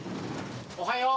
おはよう。